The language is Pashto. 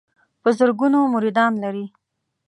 په زرګونو مریدان لري.